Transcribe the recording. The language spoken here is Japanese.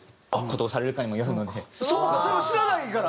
そうかそれも知らないから。